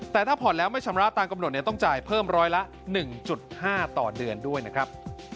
แต่ถ้าผ่อนแล้วไม่ชำระตามกำหนดต้องจ่ายเพิ่มร้อยละ๑๕ต่อเดือนด้วยนะครับ